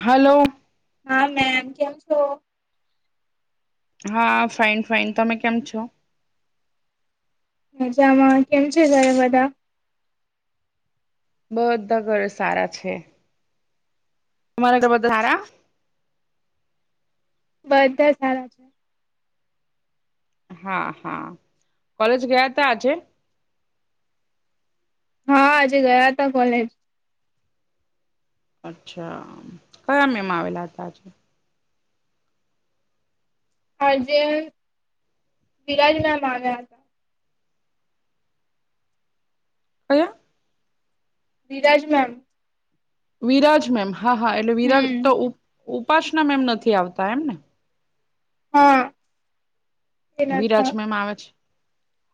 Hello. હા, ma'am. કેમ છો? હા, ફાઈન ફાઈન. તમે કેમ છો? મજામાં. કેમ છે ઘરે બધા? બધ્ધા ઘરે સારા છે. તમારા ઘરે બધા સારા? બધ્ધા સારા છે. હા હા. કોલેજ ગયા તા આજે? હા, આજે ગયા તા કોલેજ. અચ્છા કયા મે મા આવેલા હતા આજ આંજે બીરાજના મા આવ્યા તા કયા વિરાજ મેમ વિરાજ મેમ. હા હા એટલે વિરાજ હમ તો ઉપાસના મેમ નથી આવતા એમ ને હા. એ નથી વિરાજમમ આવતા. આવે છે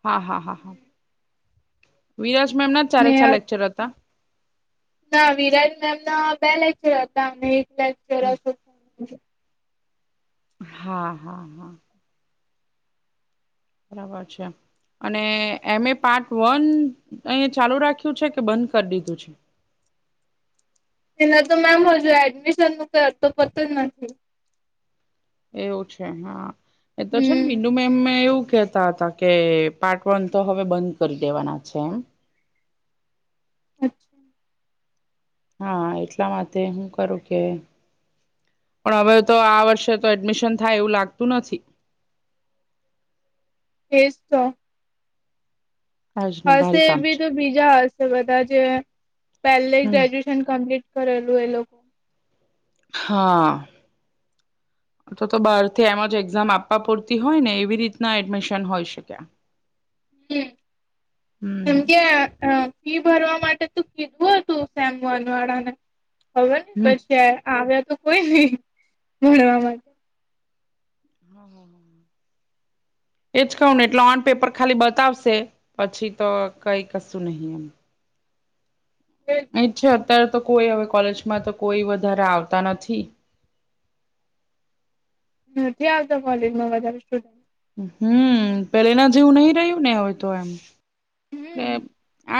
હા હા હા હા વિરાજમેમ ના ચારે ને ચા લેક્ચર હતા. ના વિરાટ મેમ ના બે લેક્ચર હતા અમને એક લેક્ચર હા હા હા. બરાબર છે. અને એમે પાર્ટ વન અહીં ચાલુ રાખ્યું છે કે બંધ કરી દીધું છે એના તો મેમ હજુ એડમિશન નું કઈ આતો પતું જ નથી એવું છે હા એ તો છે હમ મીનુ મેમ એવું કેતા હતા કે પાર્ટ વન તો હવે બંધ કરી દેવાના છે એમ અચ્છા હા એટલા માટે હું કરું કે પણ હવે તો આ વર્ષે તો એડમિશન થાય એવું. લાગતું નથી એજ તો. આજ ને હશે ભારે એ કામ બી છે તો બીજા હશે બધા જે પહેલે હમ ગ્રેજ્યુએશ કમ્પ્લીટ કરેલું એ લોકો હા તો તો બાર થી એમ જ એક્ઝામ આપવા પડતી હોય ને એવી રીતના એડમિશન હોય શકે ક. હમ્મ હમ એમકે આ ફી ભરવા માટે તો કીધું હતું સેમવાન વાળાને ખબર ને હમ પછી ત્યા આવ્યા તો કોઈ નહી ભણવા માટે. હા હા એજ કહ ને એટલે ઓન પેપર ખાલી બતાવશે પછી તો કઈ કશું નહી એમ એ. અ છે અત્યારે તો કોઈ હવે કોલેજમાં તો કોઈ વધારે આવતા નથી નથી આવતા કોલેજમાં વધારે સ્ટુડન્ટ. હમ્મ પેલે ના જેવું નહી રહ્યું ને હોય તો એમ એ હમ આજ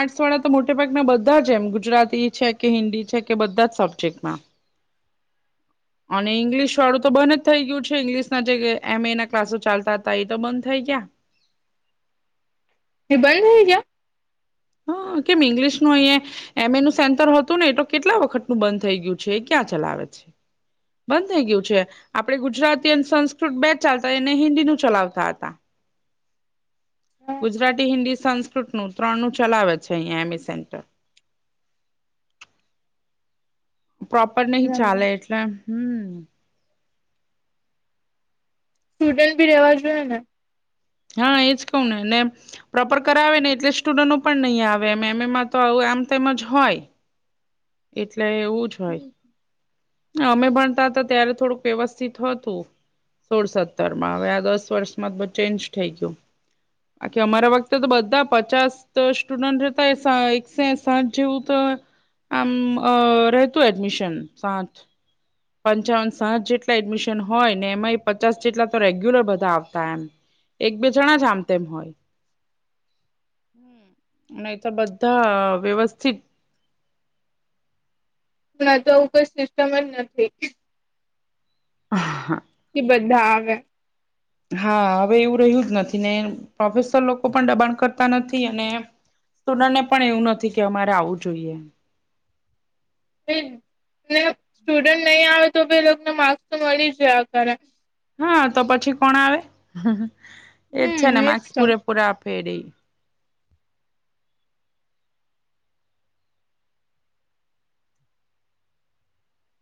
આર્ટસ વાળ તો મોટા ભાગના બધા જ એમ ગુજરાતી છે કે હિન્દી છે કે બધા જ સબ્જેક્ટમાં અને ઇંગ્લિશ વાળું તો બંધ જ થઇ ગયું છે ઇંગ્લિશ ના જે એમ એ ના ક્લાસો ચાલતા હતા એ તો બંધ થઈ ગયા એ બંધ રહે ગયા. હ કેમ ઇંગ્લિશ નું અય. એમ એ નનું સેન્ટર હતું ને એ તો કેટલા વખતનું બંધ થઈ ગયું છે એ ક્યાં ચલાવે છે બંધ થઇ ગયું છે. આપણે ગુજરાતી અને સંસ્કૃત બે ચાલતા એને હિન્દી નું ચલાવતા હતા હા ગુજરાતી હિન્દી સંસ્કૃત નું ત્રણ નું ચલાવે છે અહીયાં એમ એ સેન્ટર પ્રોપર નહિ બરાબર ચાલે એટલે હમ્મ સ્ટુડન્ટ ભી રેવા જોઈએ ને. હા એજ કહું ને ને. પ્રોપર કરાવે ને એટલે સ્ટુડન્ટો પણ નહીં આવે એમ એમ એમાં તો આવ આમ તેમજ હોય એટલે એવું જ હોય અમે ભણતા હતા ત્યારે થોડુંક વ્યવસ્થિત હતું સોળ સત્તર માં હવે આ દસ વર્ષમાં તૉ ચેન્જ થઈ ગયું આકી અમારા વખતે તો બધા પચાસ સ્ટુડન્ટ હતા એ એક સ સાઠ જેવું તો આમ રહેતું એડમિશન સાત. પંચાવન સાઠ જેટલા એડમિશન હોય ને એમાં એ પચાસ જેટલા તો રેગ્યુલર બધા આવતા એમ એક બે જણા જ આમ તેમ હોય. હમ ન તો બધા વ્યવસ્થિત આ તો આવું કોઈ સિસ્ટમ જ નથી. હા હા. બધા આવે હા હવે એવું રહ્યું જ નથી ને પ્રોફેશનલ લોકો પણ દબાણ કરતા નથી અને સ્ટુડન્ટને પણ એવું નથી કે અમારે આવું જોઈએ ને સ્ટુડન્ટ નહીં આવે તો ભી એ લૉકને માર્ક્સ તો મળી જ આ કર હા તો પછી કોણ આવે એ છે હમ ને એજ માર્ક્સ તો પૂરે પૂરા આપે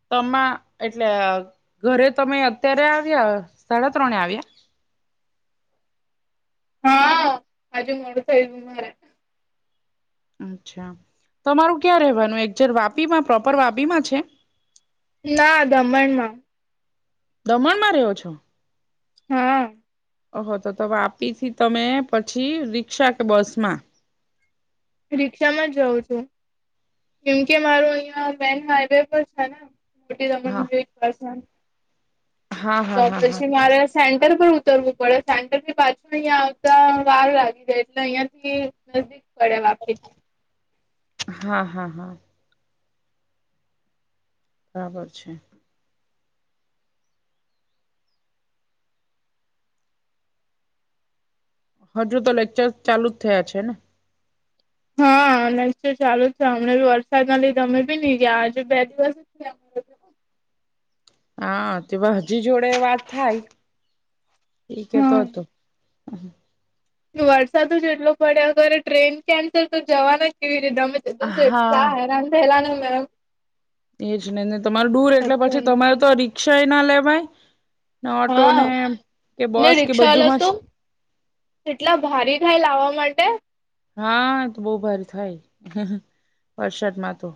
તમામાં એટલે ઘરે તમે અત્યારે આવ્યા સાડા ત્રણે આવ્યા હા હજુ મોડું થયું મારે અચ્છા તમારું ક્યાં રવાનું એક જેર વાપી માં પ્રોપર વાપી માં છે ના દમણમાં દમણમાં રહ્યો છો હા ઓહો તો ત વાપીથી તમે પછી રિકષા કે બસ માં રિક્ષામાં જ જઉં છું જેમ કે મારું અહિયાં મેન હાઈવે પર છે ને મોટી હા દમનસન હા હા તો હા પછી હા મારે સેન્ટર પર ઉતરવું પડે સેન્ટરથી પાછું અહંયા આવતા વાર લાગી જાય એટલે અહિયાંથી નજીક પડે વાપી હા હા હા બરાબર છે હજુ તો લેક્ચર ચાલુ જ થયા છે ને હા લ ચાલુ જ છે અમમેી વરસાદ ના લીધે અમે બી નહી ગયા આજે બે દિવસ થયા અમારે હ તો હા તે હજી જોડે વાત થાય એ કેતો હતો હા હા વરસાદ જેટલો પડે અગર ટ્રેન કેન્સલ તો જવાના જ કેવી રીતે અમે તે દિવસે હા એટલા હેરાન થયેલા ને અમે એ જ નહી ન તમાર દૂર એટલે પછી તમારે તો રિક્ષા એ ના લેવાય ઓટો હા ને કે બસ કે બધુંમાં જ એટલા ભારી થાય લાવવા માટે હા તો બહુ ભારે થાય વરસાદમાં તો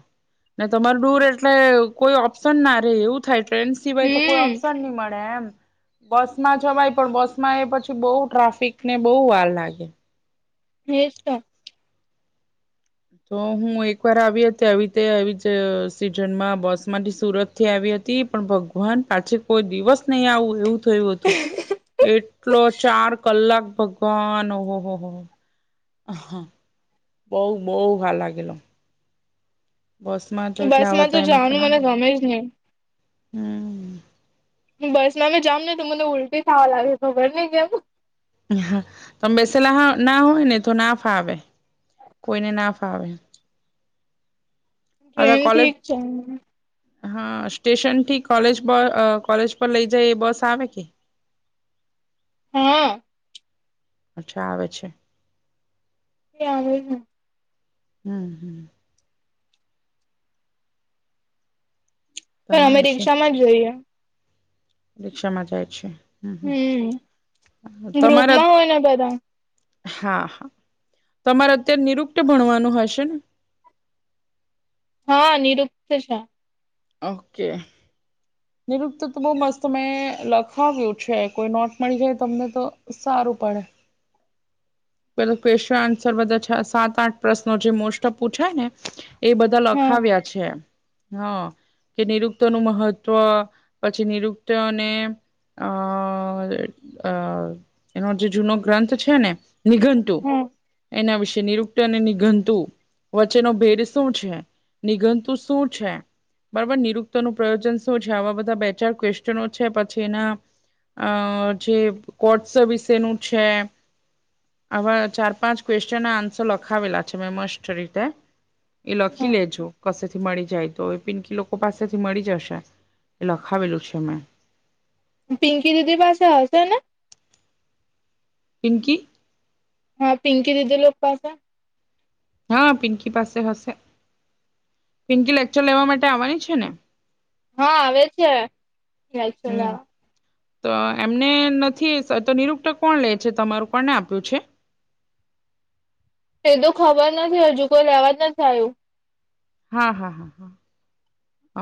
ને તમાર ડૂર એટલે કોઈ ઓપ્શન ના રે એવું થાય ટ્રેન સિવાય તો કોઈ ઓપ્શન હમ નહી મળે એમ બસમાં જવાય પણ બસમાં એ પછી બઉુ ટ્રાફિક ને બહુ વાર લાગે એ જ તો તો હું એક વાર આવી હતી આવી રતે આવી જ સિઝનમાં બસ માંથી સુરત થી આવી હતી પણ ભગવાન પાછો કોઈ દિવસ નય આવું એવું થયું હતું. એટલો ચાર કલાક ભગવાન ઓહ હો. હા. બઉ બઉ વાર લાગેલો. બસ માં તો એટલે બસ આવા માં ટાઈમે તો જવાનું ના મને ગમે જ નહી હમમ. હું બસ માં બી જામ ને તો મને ઉલટી થાવા લાગે ખબર ની કેમ? તમે બેસેલા ના હોય ને તો ના ફાવે કોઈને ના ફાવે. હવે ટ્રેન કોલેજ ઠીક છે. હા સ્ટેશન થી કોલેજ કોલેજ પર લઈ જાય એ બસ આવે કે? [inaudible] હા. અચ્છા આવે છે. એ આવે હે. હમમ હમમ પણ અમે તમારે છે રિક્ષા માં જોઈએ. રિક્ષામાં જાય છે. હમમ હમમ હમ તમારા ગ્રુપમાં હોય ને બધા હા હા તમારે અત્યારે નિરુક્ત ભણવાનું હશે ને? હા નિરુપત છે. ઓકે. નિરુપત તો બો મસ્ત મેં લખાવ્યું છે કોઈ નોટ મળી જાય તમને તો સારું પડે. [inaudible] પેલો ક્વેશ્ચન સરવદ છે સાત આઠ પ્રશ્નો જે મોસ્ટ ઓફ પૂછાય ને એ બધા હા લખાવ્યા છે હા. કે નિરુપત નું મહત્વ પછી નિરુપત ને અ અ એનો જે જૂનો ગ્રંથ છે ને નિઘરતું હા એના વિશે નિરૂપ અને નિગતુ વચ્ચેનો ભેદ શું છે, નિગતું શું છે? બરાબર નિરુપત નું પ્રયોજન શું છે આવા બધા બે ચાર ક્વેશ્ચનો છે પછી એના અ જે કોર્ટ સર્વિસ એનું છે. આવા ચાર પાંચ ક્વેશ્ચન ના આન્સર લખાવેલા છે મેં મસ્ટ રીતે એ લખી લેજો કસે થી મળી જાય તો. પિનકી લોકો પાસેથી મળી જશે એ લખાવેલું છે મેં. પિંકી દીદી પાસે હશે ને? પીકી હા પિંકી દીદી લોક પાસે હા પિંકી પાસે હશે. પિંકી લેક્ચર લેવા માટે આવવાની છે ને. હા આવે છે લેક્ચર હમ લેવા. તો એમને નથી તો નિરુપત કોણ લે છે તમારું કોણને આપ્યું છે? એ તો ખબર નથી હજુ કોઈ લેવા જ નથી આયું. હા હા હા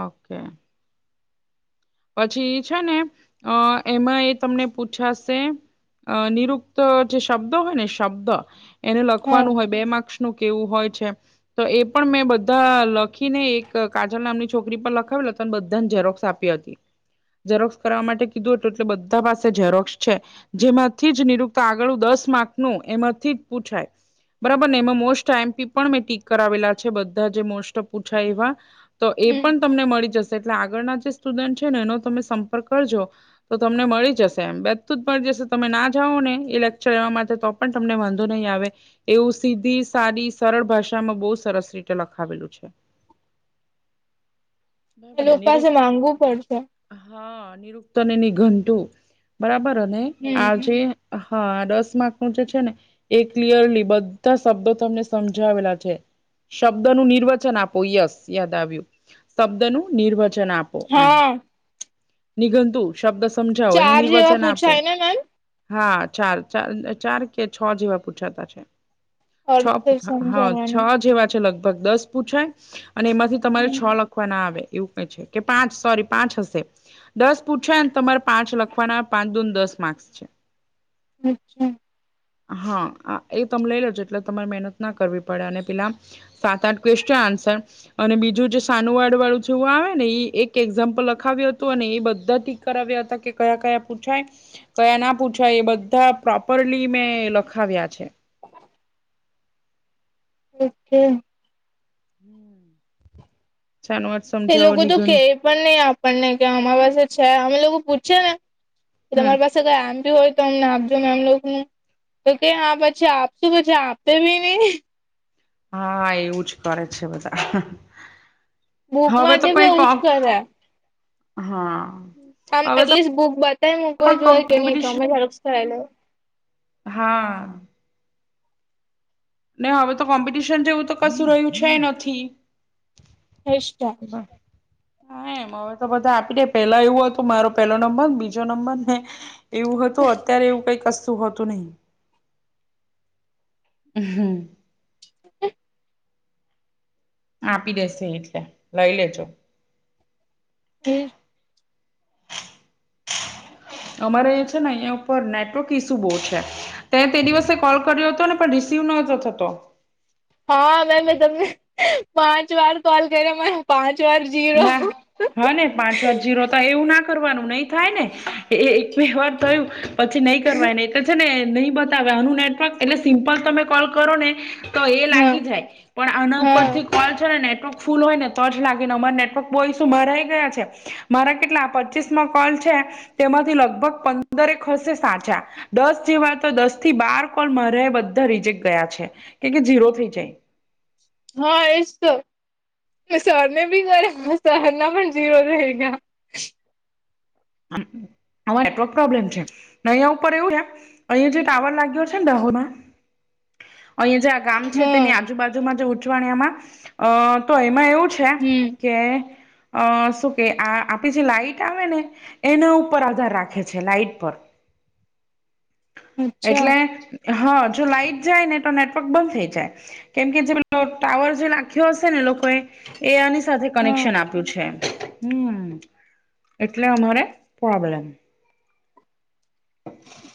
ઓકે. પછી છે ને અ એમાં એ તમને પૂછાશે અ નિરુપત જે શબ્દ હોય ને શબ્દ એને હા લખવાનું હોય બે માક નું કેવું હોય છે? તો એ પણ મેં બધા લખીને એક કાજલ નામની છોકરી પર લખાવી હતો અને બધાને ઝેરોક્સ આપી હતી. ઝેરોક્સ કરવા માટે કીધું હતું એટલે બધા પાસે ઝેરોક્સ છે. જેમાંથી જ નિરુક્ત આગળ દસ માર્ક ન એમાંથી જ પૂછાય બરાબર ને એમાં મોસ્ટ આઈમપી પણ મેં ટીક કરાવેલા છે બધા જે મોસ્ટ પૂછાય એવા તો એ હમ પણ તમને મળી જશે એટલે આગળના જે સ્ટુડન્ટ છે ને એનો તમે સંપર્ક કરજો તો તમને મળી જશે એમ બેધું જ મળી જશે તમે ના જાઓ ને એ લેક્ચર એવા માટે તો પણ તમને વાંધો નહીં આવે એવું સીધી સારી સરળ ભાષામાં બહુ સરસ રીતે લખાવેલું છે. એ [unintelligible] [unintelligible] પડશે હા નિરુક્તને નની ઘંટું બરાબર અનેને હમ આજે હા દસ માર્ક નું જે છે ને એ ક્લિયરલી બધા શબ્દો તમને સમજાવેલા છે. શબ્દ ન નિર્વચન આપો યસ યાદ આવ્યું શબ્દ ન નિર્વચન આપો હા નિગતુ શબ્દ સમજાવો એનું ચાર જેવા નિર્વચન આપો પૂછાય ને મેમ હા ચાર ચાર ચાર કે છ જેવા પૂછાતા છે. છ અર્થ હા છ સમજાવાનું જેવા લગભ દસ પૂછાય અને એમાંથી તમારે છ હમ લખવા ના આવે એવું કઈ છે કે પાંચ સોરી પાંચ હશે દસ પૂછે તમારે પાંચ લખવાના પાંચ દોન દસ માર્ક્સ છે. [inaudible] અચ્છા હા એ તમે લઈ લોજો એટલે તમારે મહેનત ના કરવી પડે અને પેલા સાત આઠ ક્વેશ્ચન આન્સર અને બીજું જે સાનુવાડ વાળું છેવું આવે ને એક એક્ઝામ્પ લખાવ્યો હતુ અને એ બધા ટીક કરાવ્યા હતા કે કયા કયા પૂછાય કયા ના પૂછાય એ બધા પ્રોપરલી મેં લખાવ્યા છે. ઓકે હમ [unintelligible] એ લોકો તો નિઘન કેય પન ન‌ઈ આપણને કે અમારા પાસે છે અમે લોકો પૂછે ને કે હમ તમારી પાસે કઈ [unintelligible] હોય તો અમને આપજો મેમ લોકો તો કે હા પછી આપશું પછી આપે ભીની હા એવું જ કરે છે બધા બુક હવે તો માટે બી કઈ આવું જ કરે હા આમ હવે તો એટલીસ્ટ બુક બતાય મકવા પણ જોય કે ની કોમ્પિટિશન તમે [unintelligible] હા ને હવે તો કોમ્પિટિશન જેવું તો કશું રહ્યું છે નથી [unintelligible] વાહ હા એમ હવે તો બધા આપડે પેલા એવું હતું મારો પેલો નંબરને બીજો નંબર ને એવું હતું અત્યારે એવું કઈક કસુ હોતું નહી હ હમ [inaudible] આપી દેશે એટલે લઈ લેજો એ અમારે છે ને અઈયા ઉપર નેટવર્ક ઈસુ બોવ છે તે તે દિવસે કોલ કર્યો હતો ને પણ રિસીવ નતો થતો હા મે મે તમને પાંચ વાર કોલ કર્યો મારે પાંચ વાર જીરો ના હા ને પાંચ વાર જીરો એવું ના કરવાનું ન‌ઈ થાય ને એ એક બે વાર થયું પછી ન‌ઈ કરવા ના છે ને ન‌ઈ બતાવઆનું નેટવર્ક એટલે સિમ્પલ તમે કોલ કરો ને તો એ હા લાગી જાય પણ આના ઉપર હા થી કોલ છે ને નેટવર્ક ફૂલ હોય ને તો જ લાગ ને આમાં નેટવર્ક બો ઇસ્યૂ મારા એક બે ગયા છે મારા કેટલા પચીસ માં કોલ છે તેમાંથી લગ લગભગ પંદરેક હસે સાચા. દસ જેવા તો દસ થી બાર કોલ મારે બધા રિજેક્ટ ગયા છે કે ઝીરો થઈ જાય. હા એજ તો. એ સરને બી કરીયા સરના પન ઝીરો થઇ ગયા. આમાં નેટવર્ક પ્રોબ્લેમ છે, અહિયાં ઉપર એવું છે અહીયાં જે ટાવર લાગ્યો છે ને ડહોમાં અહીયાં જે ગામ છે તેની હમ આજુબાજુમાં જે ઉચવાણિયામાં અ તો એમાં એવું છે હમ કે અ શું કે આ આપડી જે લાઈટ આવે ને એના ઉપર આધાર રાખે છે, લાઈટ પર. અચ્છા એટલે હા જો લાઈટ જાય ને તો નેટવર્ક બંધ થઈ જાય. કેમ કે જે ટાવર જે લાખ્યો હશે ને લોકો એ સાથે હા કનેક્શન આપ્યું છે, હમ્મ એટલે અમારે પ્રોબ્લેમ. [inaudible]